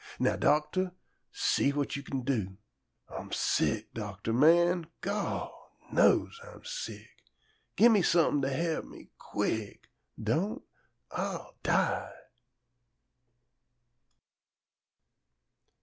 Now, doctor, see what you c'n do. Ah'm sick, doctor man. Gawd knows Ah'm sick! Gi' me some'n' to he'p me quick, Don't, Ah'll die!